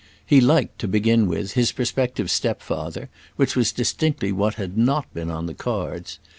He liked, to begin with, his prospective stepfather; which was distinctly what had not been on the cards.